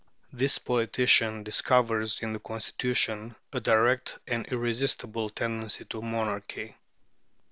This politician discovers in the constitution a direct and irresistible tendency to monarchy.